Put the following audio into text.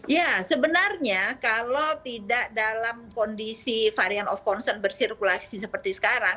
ya sebenarnya kalau tidak dalam kondisi varian of concern bersirkulasi seperti sekarang